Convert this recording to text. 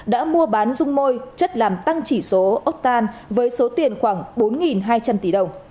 đã mua bán dung môi chất làm tăng chỉ số oktan với số tiền khoảng bốn hai trăm linh tỷ đồng